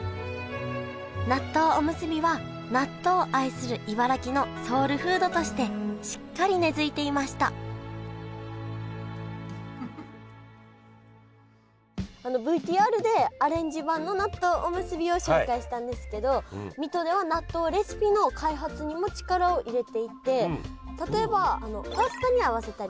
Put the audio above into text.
納豆おむすびは納豆を愛する茨城のソウルフードとしてしっかり根づいていましたＶＴＲでアレンジ版の納豆おむすびを紹介したんですけど例えばパスタに合わせたりとか。